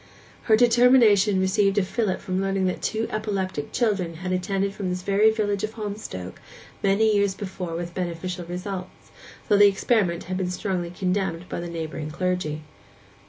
Her determination received a fillip from learning that two epileptic children had attended from this very village of Holmstoke many years before with beneficial results, though the experiment had been strongly condemned by the neighbouring clergy.